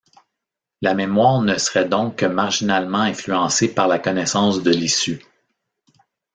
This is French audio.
La mémoire ne serait donc que marginalement influencée par la connaissance de l’issue.